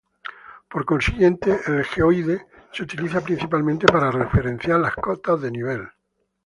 Por consiguiente el geoide se utiliza principalmente para referenciar las cotas de nivel.